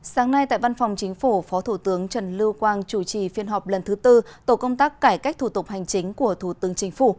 sáng nay tại văn phòng chính phủ phó thủ tướng trần lưu quang chủ trì phiên họp lần thứ tư tổ công tác cải cách thủ tục hành chính của thủ tướng chính phủ